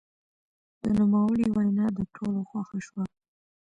د نوموړي وینا د ټولو خوښه شوه.